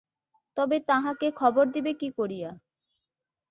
তবে তাঁহাকে খবর দিবে কী করিয়া।